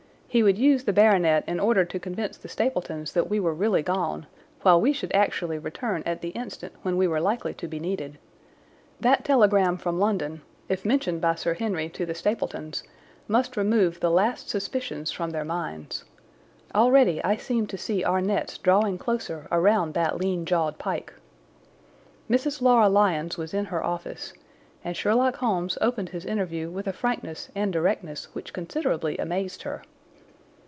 He would use the baronet in order to convince the Stapletons that we were really gone, while we should actually return at the instant when we were likely to be needed. That telegram from London, if mentioned by Sir Henry to the Stapletons, must remove the last suspicions from their minds. Already I seemed to see our nets drawing closer around that lean jawed pike. Mrs. Laura Lyons was in her office, and Sherlock Holmes opened his interview with a frankness and directness which considerably amazed her.